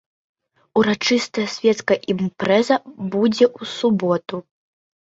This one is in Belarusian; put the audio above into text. Урачыстая свецкая імпрэза будзе ў суботу.